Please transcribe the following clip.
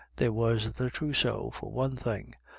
There was the trousseau, for one thing.